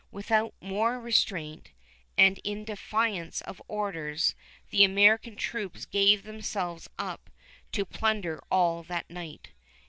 Without more restraint, and in defiance of orders, the American troops gave themselves up to plunder all that night.